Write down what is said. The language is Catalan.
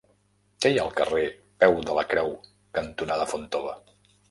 Què hi ha al carrer Peu de la Creu cantonada Fontova?